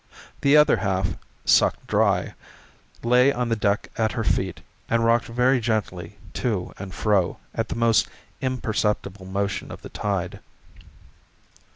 The other half, sucked dry, lay on the deck at her feet and rocked very gently to and fro at the almost imperceptible motion of the tide.